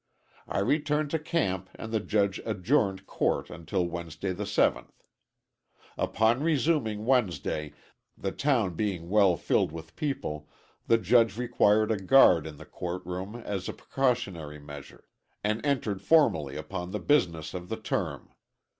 I returned to camp and the judge adjourned court until Wednesday, the 7th. Upon resuming Wednesday, the town being well filled with people, the judge required a guard in the court room as a precautionary measure, and entered formally upon the business of the term.